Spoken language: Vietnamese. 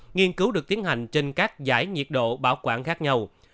nghiên cứu được tiến hành trên các giải nhiệt độ bảo quản khác nhau